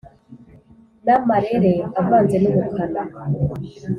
n' amarere avanze n' ubukana